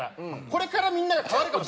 これからみんなが変わるかも。